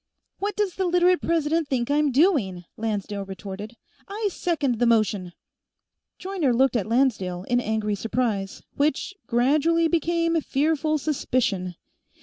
"What does the Literate President think I'm doing?" Lancedale retorted. "I second the motion!" Joyner looked at Lancedale in angry surprise, which gradually became fearful suspicion.